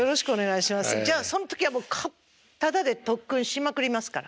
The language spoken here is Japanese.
じゃあその時はただで特訓しまくりますから。